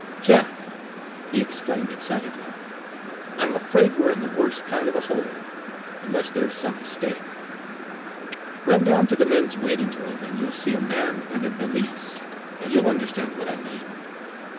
"Jack," he exclaimed excitedly, "I 'm afraid we're in the worst kind of a hole, unless there 's some mistake! Run down to the men's waitingroom and you 'll see a man and a valise, and you'll understand what I mean.